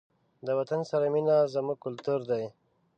د وطن سره مینه زموږ کلتور دی.